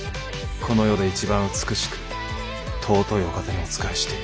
この夜で一番美しく尊いお方にお仕えしている。